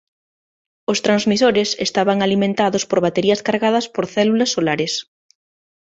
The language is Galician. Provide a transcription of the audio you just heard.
Os transmisores estaban alimentados por baterías cargadas por células solares.